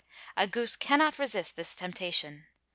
A goose cannot resist this temptation.